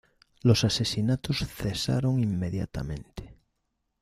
Los asesinatos cesaron inmediatamente.